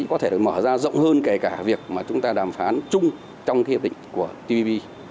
có thể được mở ra rộng hơn kể cả việc mà chúng ta đàm phán chung trong cái hiệp định của tb